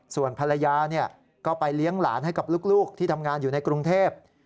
ส่วนภรรยาก็ไปเลี้ยงหลานให้กับลูกที่ทำงานอยู่ในกรุงเทพ